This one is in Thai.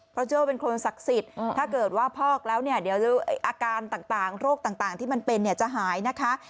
เพราะเจ้าเป็นโครนศักดิ์สิทธิ์ถ้าเกิดว่าพอกแล้วอาการต่างโรคต่างที่มันเป็นจะหายนะคะ